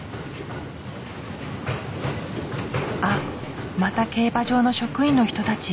あっまた競馬場の職員の人たち。